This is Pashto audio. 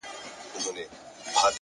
• زه به غمو ته شاعري كومه،